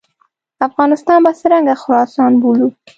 افغانستان به څرنګه خراسان بولو.